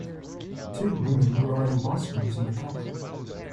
two women riding bicycles in the country.